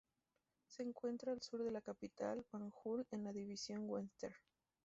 Se encuentra al sur de la capital, Banjul, en la División Western.